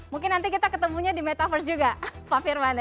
mungkin nanti kita ketemunya di metaverse juga pak firman ya